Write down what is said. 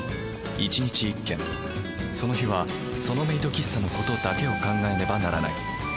１日１軒その日はそのメイド喫茶のことだけを考えねばならない。